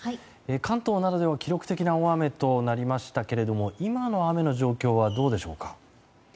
関東などで記録的な大雨となりましたけれども今の雨の状況はどうでしょうか？